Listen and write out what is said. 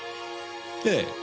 ええ。